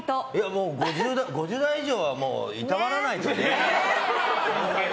もう５０代以上はいたわらないとね。